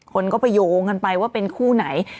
คนก็ไปโยงกันไปว่าเป็นคู่ไหน